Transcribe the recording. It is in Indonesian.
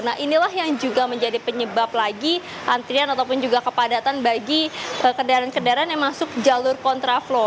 nah inilah yang juga menjadi penyebab lagi antrian ataupun juga kepadatan bagi kendaraan kendaraan yang masuk jalur kontraflow